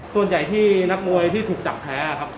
ส่วนใหญ่ที่นักมวยที่ถูกจับแพ้ครับ